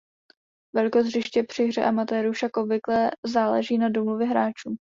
Velikost hřiště při hře amatérů však obvykle záleží na domluvě hráčů.